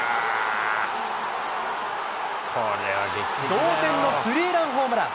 同点のスリーランホームラン。